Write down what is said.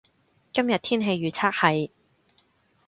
今日天氣預測係